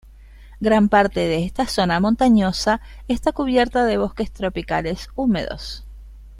Gran parte de esta zona montañosa está cubierta de bosques tropicales húmedos.